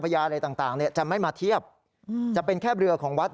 แล้วบางครั้งตรงโป๊ะก็มีประชาชนมาทำบุญปล่าตรงโป๊ะดังกล่าวอยู่บ่อยครั้งนะครับ